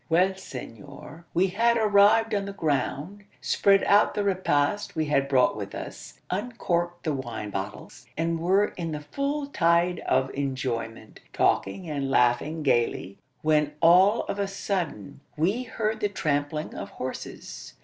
Well, senor; we had arrived on the ground, spread out the repast we had brought with us, uncorked the wine bottles, and were in the full tide of enjoyment talking and laughing gaily when all of a sudden we heard the trampling of horses.